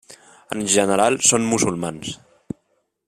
En general són musulmans.